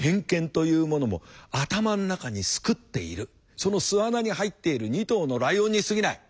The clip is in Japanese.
その巣穴に入っている２頭のライオンにすぎない。